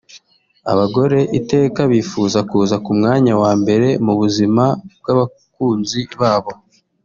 Abagore iteka bifuza kuza ku mwanya wa mbere mu buzima bw’abakunzi babo